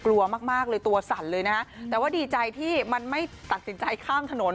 กลัวมากมากเลยตัวสั่นเลยนะฮะแต่ว่าดีใจที่มันไม่ตัดสินใจข้ามถนน